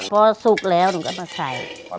พอสุกแล้วน้ำมันแล้วด้วยก็ถ่าย